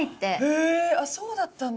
へぇあそうだったんだ。